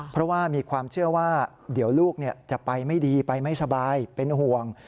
เพราะว่ามีความเชื่อว่าเดี๋ยวลูกจะไปไม่ดีไปไม่สบายเป็นห่วง